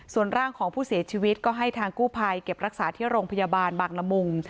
ส่วนร่างของผู้เสียชีวิตก็ให้ทางกู้ภัยเก็บรักษาที่โรงพยาบาลบางละมุง